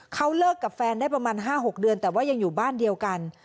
เขาเลิกกับแฟนได้ประมาณ๕๖เดือนแต่ว่ายังอยู่บ้านเดียวกัน